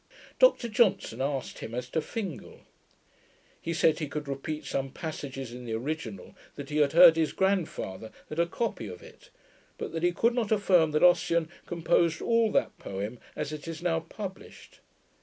Dr Johnson asked him as to Fingal. He said he could repeat some passages in the original, that he heard his grandfather had a copy of it; but that he could not affirm that Ossian composed all that poem as it is now published.